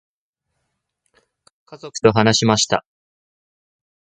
家族と話しました。